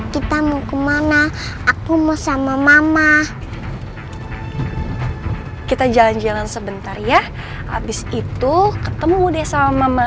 kita mau kemana aku mau sama mama kita jalan jalan sebentar ya habis itu ketemu deh sama mama